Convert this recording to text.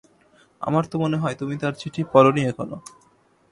আমার তো মনে হয় তুমি তাঁর চিঠি পড় নি এখনো।